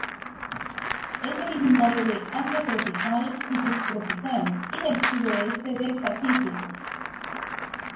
Es originario de Asia tropical y subtropical y del sudoeste del Pacífico.